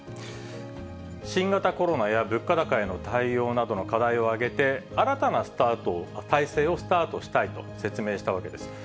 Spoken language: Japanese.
新型コロナや物価高への対応などの課題を挙げて、新たな体制をスタートしたいと説明したわけです。